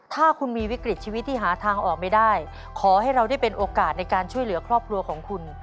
ถ้าคุณมีวิกฤตชีวิตที่หาทางออกไม่ได้ขอให้เราได้เป็นโอกาสในการช่วยเหลือครอบครัวของคุณ